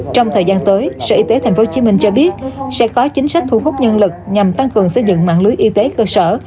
trong thời gian tới sở y tế tp hcm cho biết sẽ có chính sách thu hút nhân lực nhằm tăng cường xây dựng mạng lưới y tế cơ sở